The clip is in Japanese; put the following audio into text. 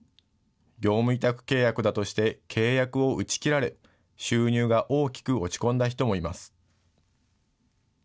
業務委託契約だとして、契約を打ち切られ、収入が大きく落ち込んだ人もいます。